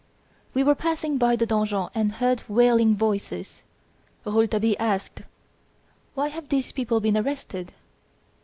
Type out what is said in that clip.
We were passing by the donjon and heard wailing voices. Rouletabille asked: "Why have these people been arrested?"